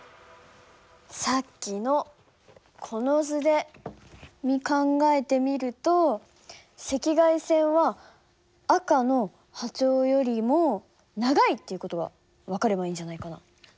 さっきのこの図で考えてみると赤外線は赤の波長よりも長いっていう事が分かればいいんじゃないかな。